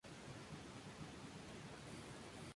Se encuentran en Asia: la China